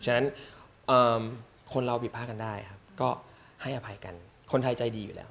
ฉะนั้นคนเราผิดพลาดกันได้ครับก็ให้อภัยกันคนไทยใจดีอยู่แล้ว